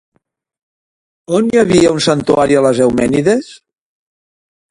On hi havia un santuari a les Eumènides?